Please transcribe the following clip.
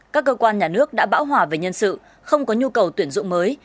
các cơ quan nhà nước đã bão hòa về nhân sự không có nhu cầu tuyển dụng mới